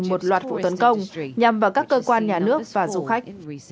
một loạt vụ tấn công nhằm vào các cơ quan nhà nước và du khách